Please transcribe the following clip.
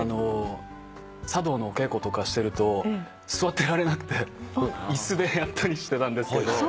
茶道のお稽古とかしてると座ってられなくて椅子でやったりしてたんですけど。